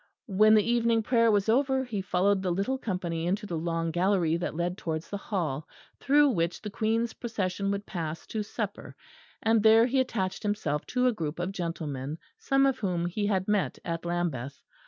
When the evening prayer was over he followed the little company into the long gallery that led towards the hall, through which the Queen's procession would pass to supper; and there he attached himself to a group of gentlemen, some of whom he had met at Lambeth.